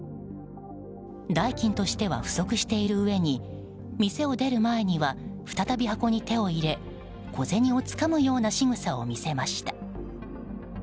代金としては不足しているうえに店を出る前には再び箱に手を入れ、小銭をつかむようなしぐさをしました。